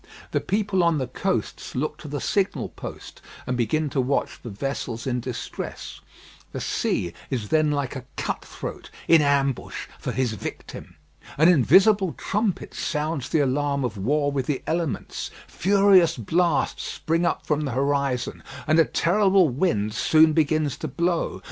The people on the coasts look to the signal post, and begin to watch for vessels in distress. The sea is then like a cut throat in ambush for his victim. An invisible trumpet sounds the alarm of war with the elements, furious blasts spring up from the horizon, and a terrible wind soon begins to blow.